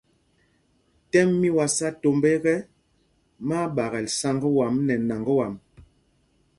Tɛ́m mí wá sá tombá ekɛ, má á ɓaakɛl sǎŋg wǎm nɛ nǎŋg wâm.